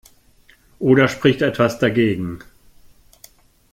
Oder spricht etwas dagegen?